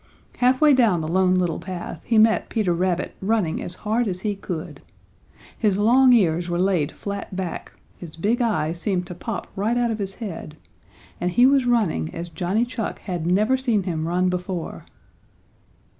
Half way down the Lone Little Path he met Peter Rabbit running as hard as he could. His long ears were laid flat back, his big eyes seemed to pop right out of his head, and he was running as Johnny Chuck had never seen him run before.